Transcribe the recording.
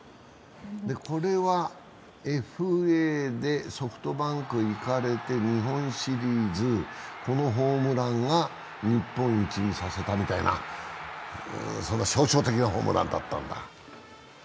これはＦＡでソフトバンクに行かれて、日本シリーズ、このホームランが日本一にさせたみたいな、象徴的なホームランだったんだ。